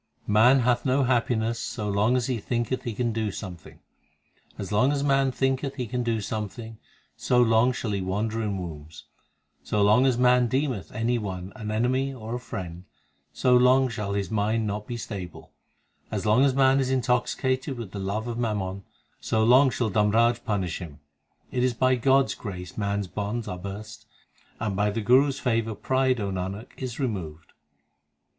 4 Man hath no happiness So long as he thinketh he can do something ; As long as man thinketh he can do something, 1 Shall obtain salvation even in life. HYMNS OF GURU ARJAN 235 So long shall he wander in wombs ; As long as man deemeth any one an enemy or a friend, So long shall his mind not be stable ; As long as man is intoxicated with the love of mammon, So long shall Dharmraj punish him. It is by God s grace man s bonds are burst, And by the Guru s favour pride, O Nanak, is removed.